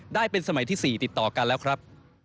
ได้เป็นสมัยที่๔ติดต่อกันแล้วครับ